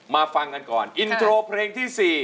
ฟังกันก่อนอินโทรเพลงที่๔